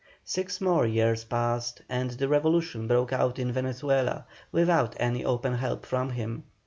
Six more years passed, and the revolution broke out in Venezuela, without any open help from him.